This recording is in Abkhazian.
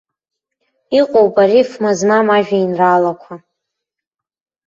Иҟоуп арифма змам ажәеинраалақәа.